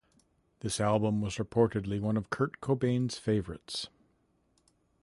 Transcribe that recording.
This album was reportedly one of Kurt Cobain's favorites.